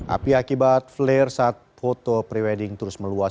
api akibat flare saat foto pre wedding terus meluas